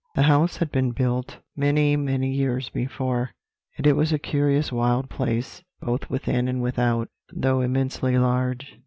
The house had been built many, many years before, and it was a curious wild place both within and without, though immensely large.